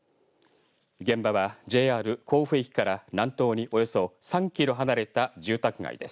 現場はＪＲ甲府駅から南東におよそ３キロ離れた住宅街です。